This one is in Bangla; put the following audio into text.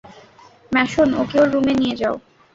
ম্যাসন, ওকে ওর রুমে নিয়ে যাও।